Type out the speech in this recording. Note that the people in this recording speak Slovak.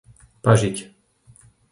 Pažiť